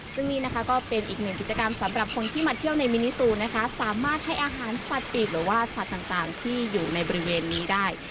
ซึ่งนี่นะคะก็เป็นอีกหนึ่งกิจกรรมสำหรับคนที่มาเที่ยวในมินิซูนะคะสามารถให้อาหารสัตว์ปีกหรือว่าสัตว์ต่างที่อยู่ในบริเวณนี้ได้